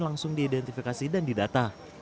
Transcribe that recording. langsung diidentifikasi dan didata